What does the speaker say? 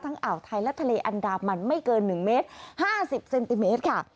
อ่าวไทยและทะเลอันดามันไม่เกิน๑เมตร๕๐เซนติเมตรค่ะ